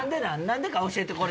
何でか教えて。